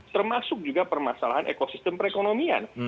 termasuk juga permasalahan ekosistem perekonomian